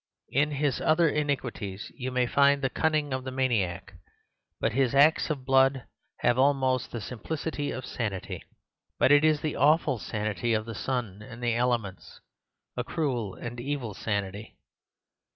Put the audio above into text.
In his other iniquities you may find the cunning of the maniac; but his acts of blood have almost the simplicity of sanity. But it is the awful sanity of the sun and the elements—a cruel, an evil sanity.